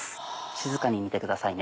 静かに煮てくださいね。